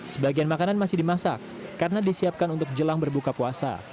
sebagian makanan masih dimasak karena disiapkan untuk jelang berbuka puasa